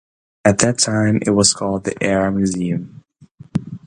At that time, it was called "The Air Museum".